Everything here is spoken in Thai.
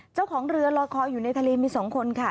เจ้าของเรือลอยคออยู่ในทะเลมี๒คนค่ะ